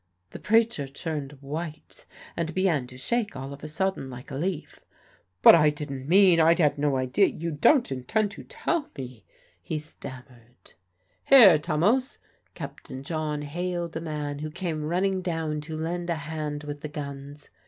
The preacher turned white and began to shake all of a sudden like a leaf. "But I didn't mean I had no idea you don't intend to tell me " he stammered. "Here, Tummels!" Captain John hailed a man who came running down to lend a hand with the guns.